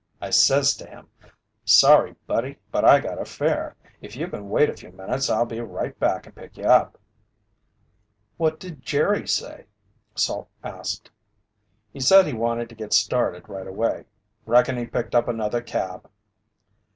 I says to him, 'Sorry, buddy, but I got a fare. If you can wait a few minutes I'll be right back and pick you up.'" "What did Jerry say?" Salt asked. "He said he wanted to get started right away. Reckon he picked up another cab."